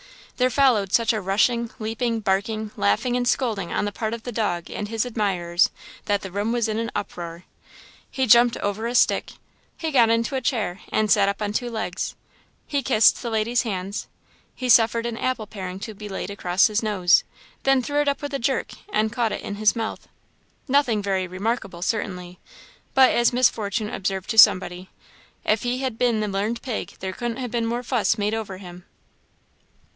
There followed such a rushing, leaping, barking, laughing, and scolding on the part of the dog and his admirers, that the room was in an uproar. He jumped over a stick; he got into a chair, and sat up on two legs; he kissed the ladies' hands; he suffered an apple paring to be laid across his nose, then threw it up with a jerk and caught it in his mouth. Nothing very remarkable, certainly, but, as Miss Fortune observed to somebody, "if he had been the learned pig, there couldn't ha' been more fuss made over him."